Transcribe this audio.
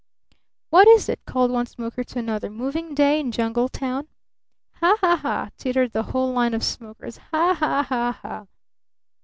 "What is it?" called one smoker to another. "Moving Day in Jungle Town?" "Ha! Ha! Ha!" tittered the whole line of smokers. "Ha! Ha! Ha! Ha! Ha!"